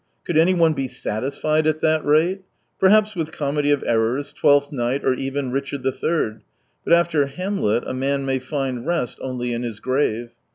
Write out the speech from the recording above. Could anyone be " satisfied " at that rate ? Perhaps with Comedy of Errors, Twelfth Night, or even Richard III. — but after Hamlet a man may find rest only in his grave.